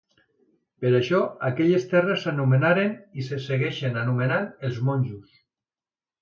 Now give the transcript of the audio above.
Per això aquelles terres s'anomenaren, i se segueixen anomenant, Es Monjos.